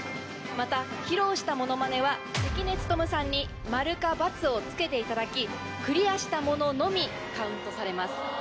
また披露したものまねは関根勤さんに「○」か「×」をつけていただきクリアしたもののみカウントされます。